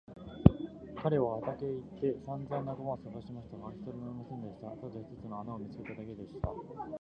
彼は畑へ行ってさんざん仲間をさがしましたが、一人もいませんでした。ただ一つの穴を見つけただけでした。